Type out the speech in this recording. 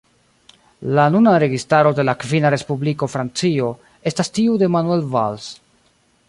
La nuna registaro de la kvina Respubliko Francio estas tiu de Manuel Valls.